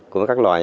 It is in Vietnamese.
của các loài